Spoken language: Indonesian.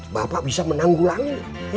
bapak bisa menanggulangi